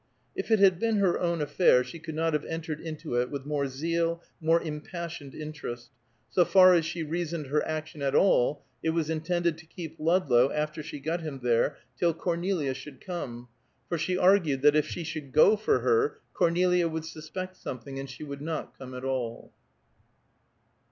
If it had been her own affair she could not have entered into it with more zeal, more impassioned interest. So far as she reasoned her action at all, it was intended to keep Ludlow, after she got him there, till Cornelia should come, for she argued that if she should go for her Cornelia would suspect something, and she would not come at all.